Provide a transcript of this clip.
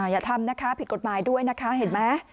อย่าทำนะคะผิดกฎหมายด้วยนะคะเห็นไหม